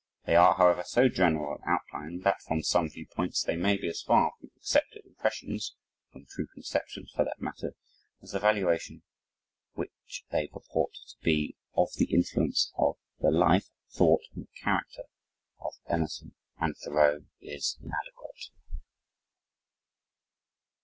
They are, however, so general in outline that, from some viewpoints, they may be as far from accepted impressions (from true conceptions, for that matter) as the valuation which they purport to be of the influence of the life, thought, and character of Emerson and Thoreau is inadequate.